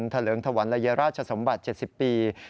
ทะเลิงธวรรณละเยียราชสมบัติ๗๐ปี